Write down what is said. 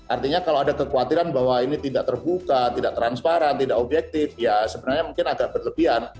artinya kalau ada kekhawatiran bahwa ini tidak terbuka tidak transparan tidak objektif ya sebenarnya mungkin agak berlebihan